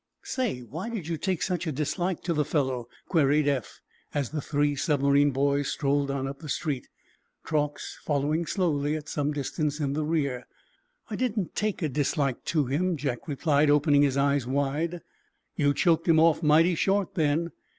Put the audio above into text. "Say, why did you take such a dislike to the fellow?" queried Eph, as the three submarine boys strolled on up the street, Truax following slowly at some distance in the rear. "I didn't take a dislike to him," Jack replied, opening his eyes wide. "You choked him off mighty short, then."